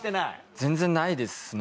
全然ないですね。